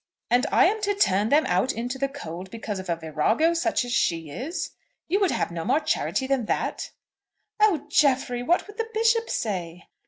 "And I am to turn them out into the cold because of a virago such as she is? You would have no more charity than that?" "Oh, Jeffrey! what would the Bishop say?"